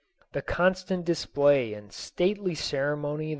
The constant display and stately ceremony JOSEPHINE.